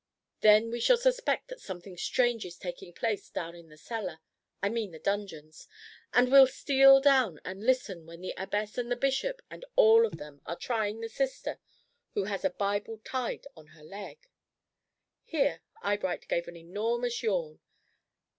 Then we shall suspect that something strange is taking place down in the cellar, I mean the dungeons, and we'll steal down and listen when the abbess and the bishop and all of them are trying the sister, who has a bible tied on her leg!" Here Eyebright gave an enormous yawn.